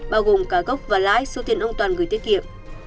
bao gồm cả gốc và lãi số tiền ông toàn gửi tiết kiệm